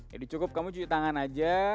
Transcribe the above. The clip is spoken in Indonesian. jadi cukup kamu cuci tangan aja